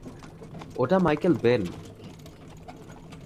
ওটা Michael Ben!